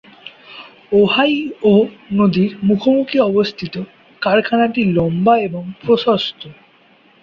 Ohio নদীর মুখোমুখি অবস্থিত, কারখানাটি লম্বা এবং প্রশস্ত।